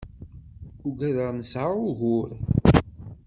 Ugadeɣ nesɛa ugur.